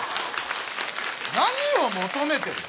何を求めてるの。